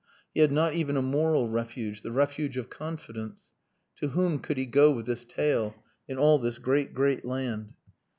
He had not even a moral refuge the refuge of confidence. To whom could he go with this tale in all this great, great land?